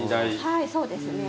はいそうですね。